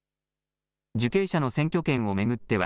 受刑者の選挙権を巡っては、